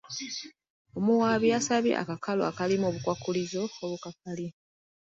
Omuwaabi yasabye akakalu akalimu obukwakkulizo obukakali.